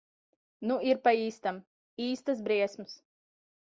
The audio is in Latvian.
Nu ir pa īstam. Īstas briesmas.